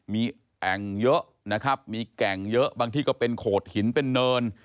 มีแอ่งเยอะนะครับมีแก่งเยอะบางที่ก็เป็นโขดหินเป็นเนิน